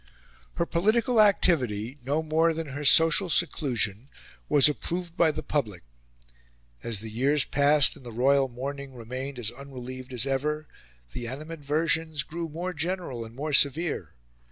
Her political activity, no more than her social seclusion, was approved by the public. As the years passed, and the royal mourning remained as unrelieved as ever, the animadversions grew more general and more severe.